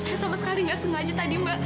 ya sama sekali nggak sengaja tadi mbak